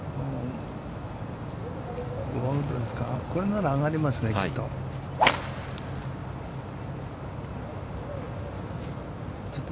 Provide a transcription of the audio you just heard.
これなら上がりますね、きっと。